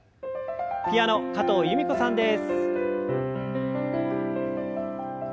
ピアノ加藤由美子さんです。